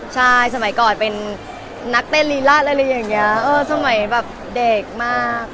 ใช่สมัยก่อนเป็นนักเต้นลีราชอะไรอย่างนี้สมัยแบบเด็กมาก